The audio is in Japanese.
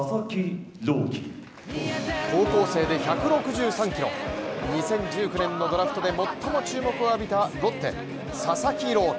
高校生で１６３キロ、２０１９年のドラフトで最も注目を浴びたロッテ・佐々木朗希。